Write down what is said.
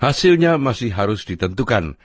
hasilnya masih harus ditentukan